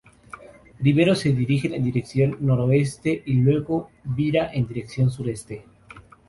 Primero se dirige en dirección noroeste y luego vira en dirección sureste.